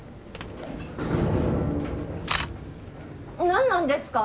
何なんですか？